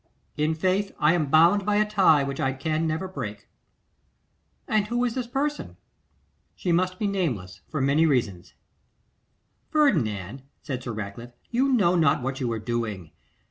'In faith; I am bound by a tie which I can never break.' 'And who is this person?' 'She must be nameless, for many reasons.' 'Ferdinand,' said Sir Ratcliffe, 'you know not what you are doing.